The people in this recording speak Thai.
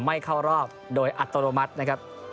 ไม่เข้ารอบโดยอัตโนมัตินะครับ